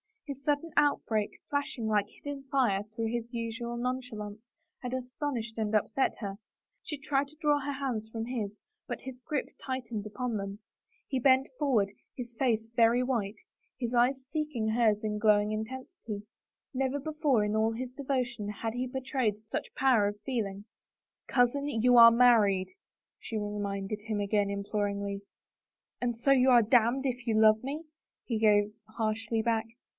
His sudden outbreak, flashing like hidden fire through his usual nonchalance, had astonished and upset her ; she tried to draw her hands from his, but his grip tightened upon them. He bent for ward, his face very white, his eyes seeking hers in glowing 54 A DANCE WITH A KING intensity. Never before, in all his devotion, had he betrayed such power of feeling. " Cousin, you are married," she reminded him again, imploringly. "And so you are damned if you love me?" he gave harshly back.